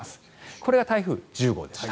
これが台風１０号でした。